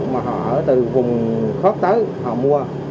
mà họ ở từ vùng khớp tới họ mua